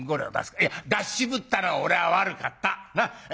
いや出し渋ったのは俺が悪かった。